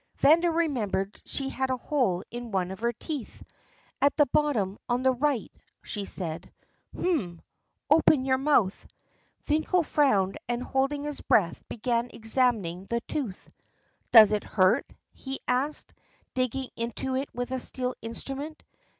Vanda remembered she had a hole in one of her teeth. "At the bottom ... on the right ..." she said. "Hm! ... Open your mouth." Finkel frowned and, holding his breath, began examining the tooth. "Does it hurt?" he asked, digging into it with a steel instrument.